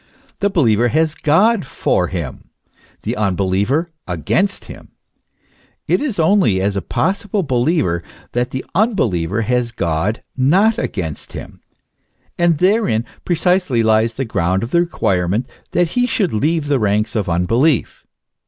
The believer has God for him, the unbeliever, against him; it is only as a pos sible believer that the unbeliever has God not against him; and therein precisely lies the ground of the requirement that he should leave the ranks of unbelief.